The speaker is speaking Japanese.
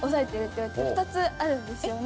２つあるんですよね。